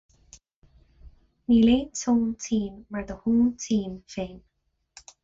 Níl aon tóin tinn mar do thóin tinn féin.